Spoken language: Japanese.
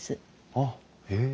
あっへえ。